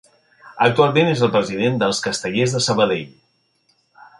Actualment és el president dels Castellers de Sabadell.